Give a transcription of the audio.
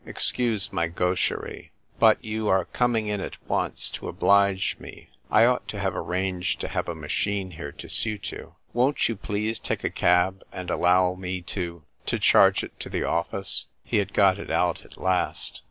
Excuse my gamheric. Hut — you are coming in at once to oblige me ; I ought to have arranged to have a machine here to suit you. Won't you please take a cab, and allow me to — to charge it to the office?" He had got it out at last.